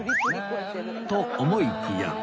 と思いきや